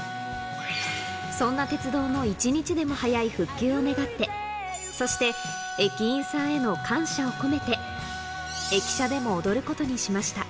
そんな鉄道の一日でも早い復旧を願って、そして駅員さんへの感謝を込めて、駅舎でも踊ることにしました。